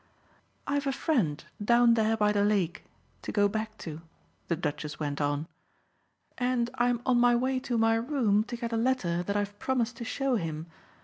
"I've a friend down there by the lake to go back to," the Duchess went on, "and I'm on my way to my room to get a letter that I've promised to show him.